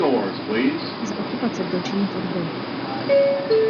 Za okupace byl činný v odboji.